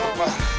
aloh allah pak